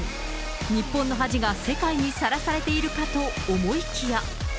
日本の恥が世界にさらされているかと思いきや。